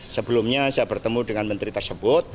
sebelumnya saya bertemu dengan menteri tersebut